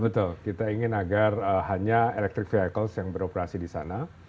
betul kita ingin agar hanya electric vehicles yang beroperasi di sana